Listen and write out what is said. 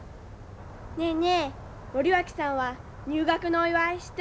ねえねえ森脇さんは入学のお祝いしてもろうた？